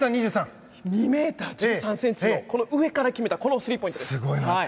２ｍ１３ｃｍの上から決めたスリーポイントです。